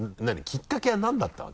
きっかけはなんだったわけ？